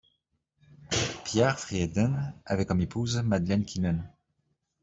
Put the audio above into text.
Pierre Frieden avait comme épouse Madeleine Kinnen.